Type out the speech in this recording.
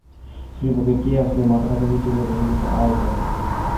শ্রেণীকক্ষে কে আসলে মাথাটাকে নিচু করে নিজেকে আড়াল করে?